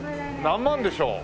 何万でしょう？